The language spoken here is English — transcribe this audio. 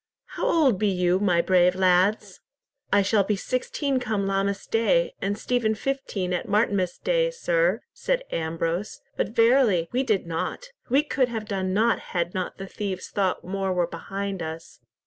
How old be you, my brave lads?" "I shall be sixteen come Lammas day, and Stephen fifteen at Martinmas day, sir," said Ambrose; "but verily we did nought. We could have done nought had not the thieves thought more were behind us."